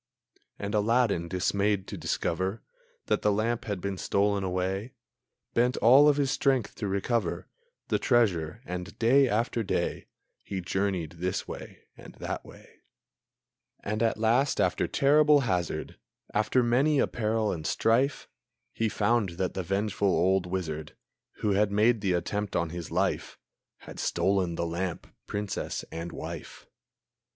And Aladdin, dismayed to discover That the lamp had been stolen away, Bent all of his strength to recover The treasure, and day after day, He journeyed this way and that way; And at last, after terrible hazard, After many a peril and strife, He found that the vengeful old wizard, Who had made the attempt on his life, Had stolen lamp, princess and wife.